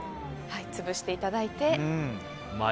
潰していただいて。